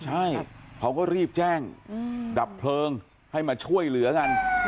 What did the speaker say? ใช่เขาก็รีบแจ้งดับเพลิงให้มาช่วยเหลือกัน